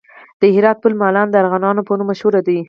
د هرات پل مالان د ارغوانو په نوم مشهور دی